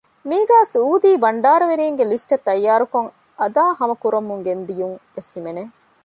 މީގައި ސުޢޫދީ ބަންޑާރަވެރީންގެ ލިސްޓެއް ތައްޔާރުކޮށް އަދާހަމަކުރަމުން ގެންދިޔުން ވެސް ހިމެނެ